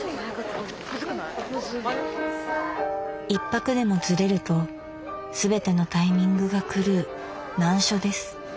１拍でもずれると全てのタイミングが狂う難所です。